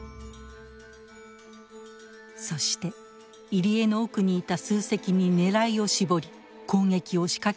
そして入り江の奥にいた数隻に狙いを絞り攻撃を仕掛けたのです。